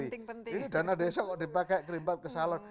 ini dana desa kok dipakai kerimbab ke salon